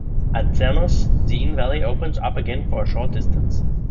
At Zernez, the Inn valley opens up again for a short distance.